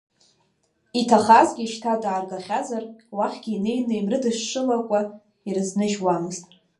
Иҭахазгьы шьҭа дааргахьазар, уахьгьы инеины имрыдышшылакәа ирызныжьуамызт.